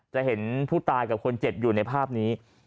จะเห็นผู้ตายกับคนเจ็บอยู่ในภาพนี้